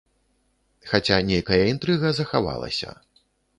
Хаця нейкая інтрыга захавалася.